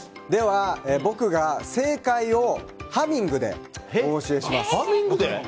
僕が正解をハミングでお教えします。